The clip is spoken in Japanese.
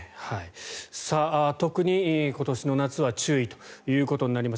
特に今年の夏は注意ということになります。